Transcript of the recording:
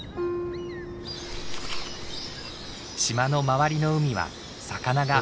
島の周りの海は魚が豊富。